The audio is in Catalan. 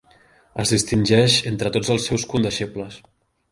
Es distingeix entre tots els seus condeixebles.